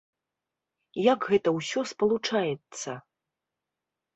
Як гэта ўсё спалучаецца?